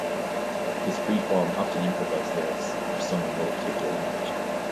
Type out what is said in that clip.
His freeform, often improvised lyrics, were sung in no particular language.